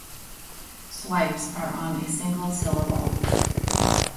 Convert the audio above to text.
Swipes are on a single syllable.